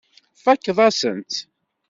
Tfakkeḍ-asent-tt.